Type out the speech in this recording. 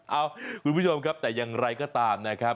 เอ้าคุณผู้ชมครับแต่อย่างไรก็ตามนะครับ